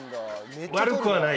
悪くはない。